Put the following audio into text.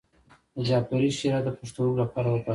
د جعفری شیره د پښتورګو لپاره وکاروئ